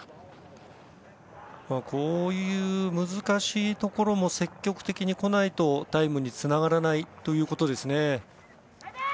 こういう難しいところも積極的に来ないとタイムにつながらないということですね。